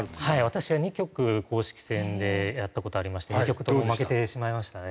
私は２局公式戦でやった事ありまして２局とも負けてしまいましたね。